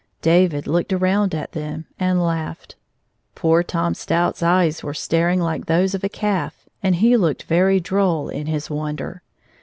David looked around at them and laughed. Poor Tom Stout's eyes were staring like those of a calf, and he looked very droll in his wonder.